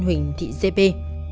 huỳnh thị giê bê